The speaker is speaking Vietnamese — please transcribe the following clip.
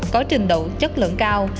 có trình độ chất lượng cao